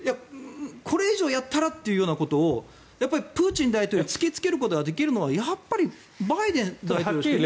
これ以上やったらっていうようなことをプーチン大統領に突きつけることができるのはやっぱりバイデン大統領しか。